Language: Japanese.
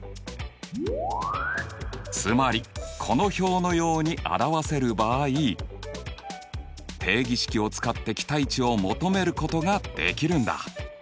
つまりこの表のように表せる場合定義式を使って期待値を求めることができるんだ。